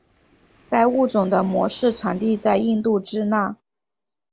该物种的模式产地在印度支那。